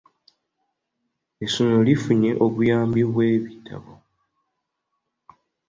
Essomero lifunye obuyambi bw'ebitabo.